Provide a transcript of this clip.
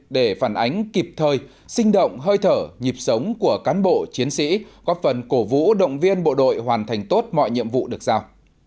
để phản ánh kịp thời sinh động hơi thở nhịp sống của cán bộ chiến sĩ góp phần cổ vũ động viên bộ đội hoàn thành tốt mọi nhiệm vụ được giao